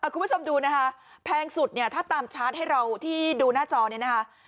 คุณผู้ชมดูนะคะแพงสุดเนี่ยถ้าตามชาร์จให้เราที่ดูหน้าจอเนี่ยนะคะ